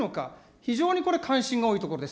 非常にこれ、関心が多いところです。